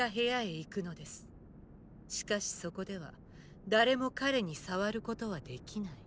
しかしそこでは誰も彼に触ることはできない。